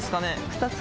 ２つ。